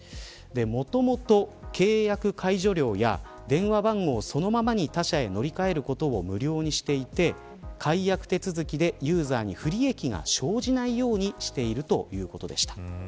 もともと契約解除料や電話番号そのままに他社に乗り換えることを無料にしていて解約手続きでユーザーに不利益が生じないようにしているということでした。